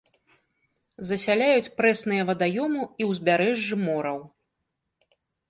Засяляюць прэсныя вадаёмы і ўзбярэжжы мораў.